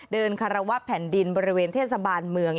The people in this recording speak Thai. คารวะแผ่นดินบริเวณเทศบาลเมือง